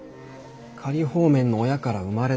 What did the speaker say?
仮放免の親から生まれたから。